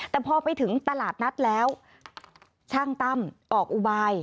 แต่พอไปถึงตลาดนัดแล้วช่างตั้มออกอุบาย